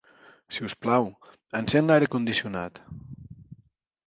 Sisplau, encén l'aire condicionat.